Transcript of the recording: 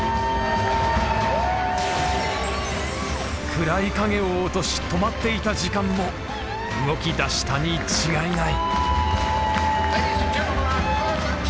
暗い影を落とし止まっていた時間も動き出したに違いない。